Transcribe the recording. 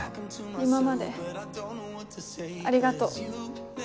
今までありがとう。